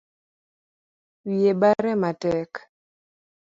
Wiye bare matek